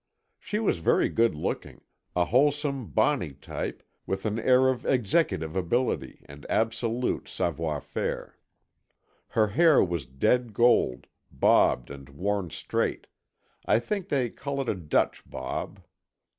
She was very good looking—a wholesome, bonny type, with an air of executive ability and absolute savoir faire. Her hair was dead gold, bobbed and worn straight, I think they call it a Dutch bob.